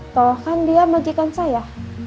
toh kan dia majikan saya